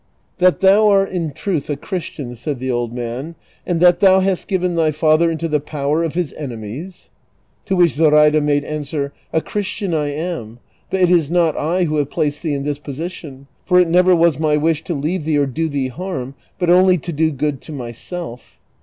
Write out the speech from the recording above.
" That thou art in truth a Christian," said the old man, " and that thou hast given thy father into the power of his enemies? " To which Zoraida made answer, '• A Christian I am, but it is not I who have placed thee in this position, for it never was my wish to leave thee or do thee harm, but only to do good to myself."